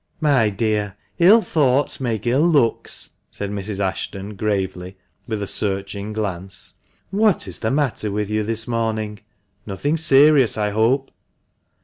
"My dear, ill thoughts make ill looks," said Mrs. Ashton, gravely, with a searching glance. "What is the matter with you this morning ? Nothing serious, I hope."